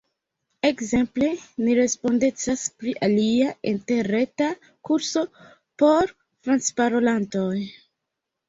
Ekzemple, ni respondecas pri alia interreta kurso por francparolantoj.